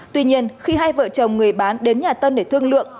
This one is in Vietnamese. tuy nhiên khi hai vợ chồng người bán đến nhà tân để thương lượng